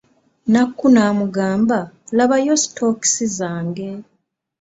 Nakku n'amugamba, labayo sitookisi zange.